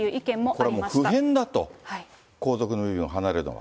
これもう、不変だと、皇族の身分を離れるのは。